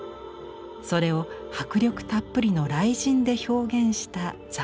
それを迫力たっぷりの雷神で表現した斬新な試み。